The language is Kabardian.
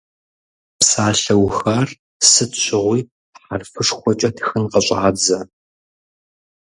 Псалъэухар сыт щыгъуи хьэрфышхуэкӏэ тхын къыщӏадзэ.